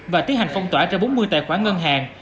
và tiến hành phong tỏa trên bốn mươi tài khoản ngân hàng